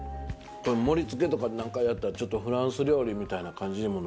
これ盛り付けとかなんかやったらちょっとフランス料理みたいな感じにもなりそうやし。